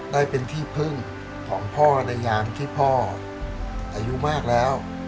ได้เป็นที่พึ่งของพ่อในงานที่พ่ออายุมากแล้ว